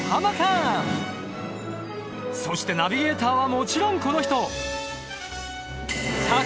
そしてナビゲーターはもちろんこの人！